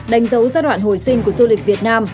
đánh dấu giai đoạn hồi sinh của du lịch việt nam